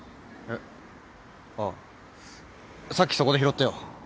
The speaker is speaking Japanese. さっきそこで拾ってよ。